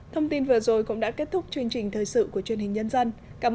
thông tin vừa rồi cũng đã kết thúc chương trình thời sự của truyền hình nhân dân cảm ơn